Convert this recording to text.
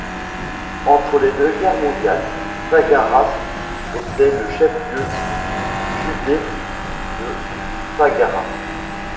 Entre les deux guerres mondiales, Făgăraș était le chef-lieu du județ de Făgăraș.